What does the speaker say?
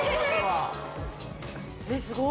えっ、すごい。